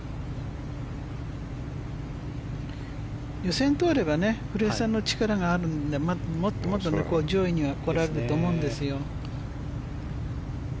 予選通れば古江さんの力があるのでもっともっと上位に来られるとは思うんですよ。